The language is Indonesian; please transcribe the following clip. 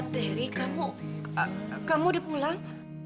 terry kamu kamu udah pulang